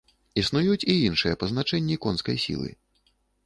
Існуюць і іншыя пазначэнні конскай сілы.